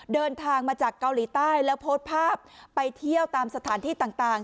เดินทางมาจากเกาหลีใต้แล้วโพสต์ภาพไปเที่ยวตามสถานที่ต่าง